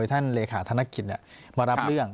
ปากกับภาคภูมิ